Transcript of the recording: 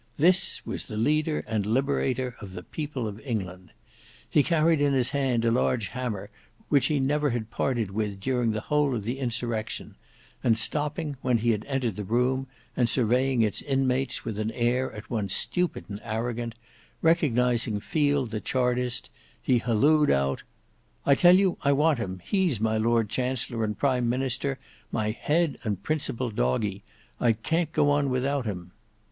This was the leader and liberator of the people of England. He carried in his hand a large hammer which he had never parted with during the whole of the insurrection; and stopping when he had entered the room, and surveying its inmates with an air at once stupid and arrogant, recognizing Field the Chartist, he halloed out, "I tell you I want him. He's my Lord Chancellor and Prime Minister, my head and principal Doggy; I can't go on without him.